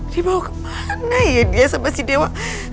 dibawa kemana ya dia sama si dewa